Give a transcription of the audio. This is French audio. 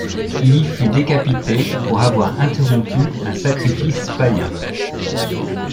Il y fut décapité pour avoir interrompu un sacrifice païen.